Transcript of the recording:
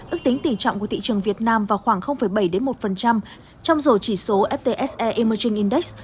ước tính tỉ trọng của thị trường việt nam vào khoảng bảy một trong rổ chỉ số ftse emerging index